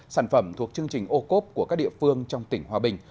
sản phẩm thuộc chương trình ô cốp của các địa phương trong tỉnh hòa bình